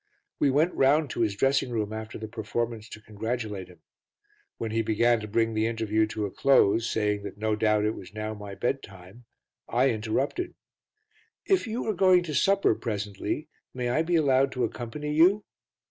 We went round to his dressing room after the performance to congratulate him; when he began to bring the interview to a close, saying that no doubt it was now my bedtime, I interrupted "If you are going to supper presently, may I be allowed to accompany you?"